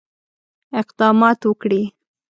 اقدامات وکړي.